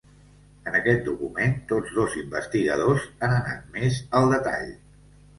En aquest document, tots dos investigadors han anat més al detall.